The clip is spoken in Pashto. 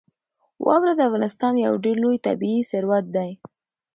واوره د افغانستان یو ډېر لوی طبعي ثروت دی.